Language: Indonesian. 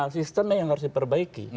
sistemnya yang harus diperbaiki